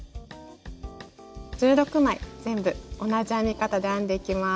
１６枚全部同じ編み方で編んでいきます。